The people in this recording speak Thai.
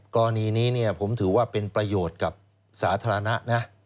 กรณีนี้ผมถือว่าเป็นประโยชน์กับสาธารณะนะ